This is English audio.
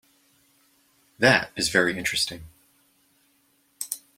That is very interesting.